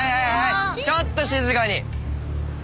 ちょっと静かに。